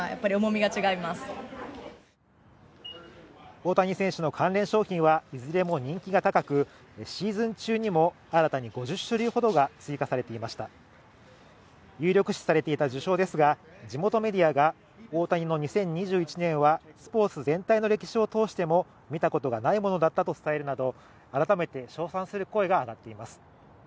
大谷選手の関連商品はいずれも人気が高くシーズン中にも新たに５０種類ほどが追加されていました有力視されていた受賞ですが地元メディアが大谷の２０２１年はスポーツ全体の歴史を通しても見たことがないものだったと伝えるなど改めて称賛する声が上がっています